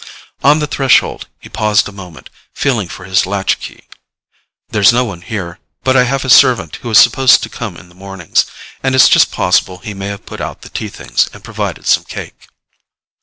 On the threshold he paused a moment, feeling for his latchkey. "There's no one here; but I have a servant who is supposed to come in the mornings, and it's just possible he may have put out the tea things and provided some cake."